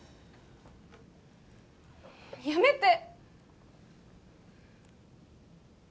やめて！